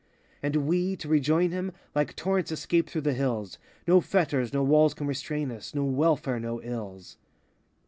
And we, to rejoin him, like torrents, escape through the hills; No fetters, no walls can restrain us, no welfare, no ills.